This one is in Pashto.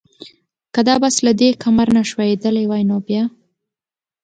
که دا بس له دې کمر نه ښویېدلی وای نو بیا؟